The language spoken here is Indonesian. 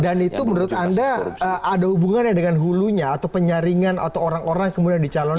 dan itu menurut anda ada hubungannya dengan hulunya atau penyaringan atau orang orang kemudian dicalonkan